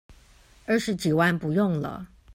二十幾萬不用了